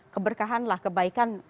keberkahan lah kebaikan